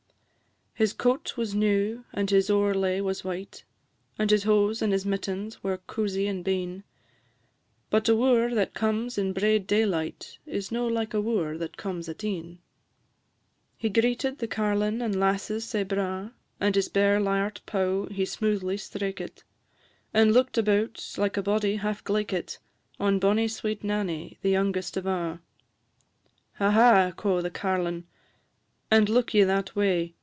His coat was new, and his owrelay was white, And his hose and his mittens were coozy and bein; But a wooer that comes in braid daylight Is no like a wooer that comes at e'en. He greeted the carlin' and lasses sae braw, And his bare lyart pow he smoothly straikit, And looked about, like a body half glaikit, On bonny sweet Nanny, the youngest of a': "Ha, ha!" quo' the carlin', "and look ye that way?